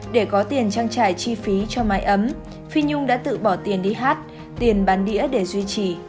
để có tiền trang trải chi phí cho mái ấm phi nhung đã tự bỏ tiền đi hát tiền bán đĩa để duy trì